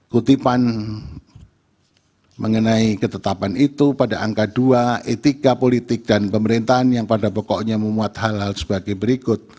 kutipan mengenai ketetapan itu pada angka dua etika politik dan pemerintahan yang pada pokoknya memuat hal hal sebagai berikut